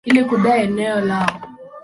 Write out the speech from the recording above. ili kudai eneo lao.